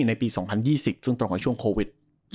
ในปี๒๐๒๐ตรงกว่าช่วงโควิด